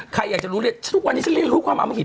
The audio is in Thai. ใครอยากจะรู้เรียนทุกวันนี้ฉันเรียนรู้ความอมหิต